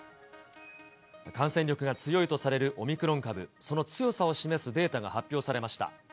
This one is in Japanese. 感染力が強いとされるオミクロン株、その強さを示すデータが発表されました。